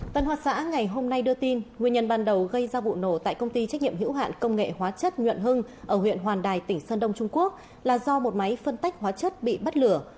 tân hoa xã ngày hôm nay đưa tin nguyên nhân ban đầu gây ra vụ nổ tại công ty trách nhiệm hữu hạn công nghệ hóa chất nhuệ hưng ở huyện hoàn đài tỉnh sơn đông trung quốc là do một máy phân tách hóa chất bị bắt lửa